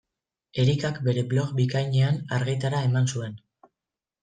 Erikak bere blog bikainean argitara eman zuen.